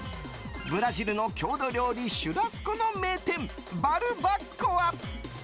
ブラジルの郷土料理シュラスコの名店、バルバッコア。